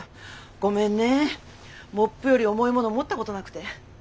ごめんねモップより重いもの持ったことなくて。